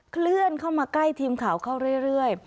เคลื่อนเข้ามาใกล้ทีมข่าวเข้าเรื่อย